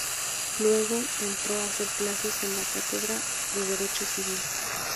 Luego, entró a hacer clases en la cátedra de Derecho Civil.